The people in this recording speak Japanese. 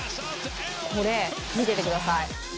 これ、見ててください。